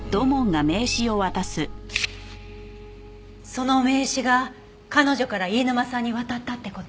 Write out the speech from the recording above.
その名刺が彼女から飯沼さんに渡ったって事？